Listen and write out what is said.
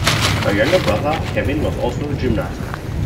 Her younger brother, Kevin, was also a gymnast.